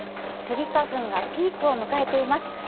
スギ花粉がピークを迎えています。